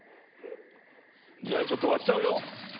じゃあちょっと割っちゃうよ？